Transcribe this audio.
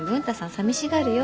さみしがるよ。